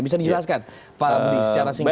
menjelaskan pak budi secara singkat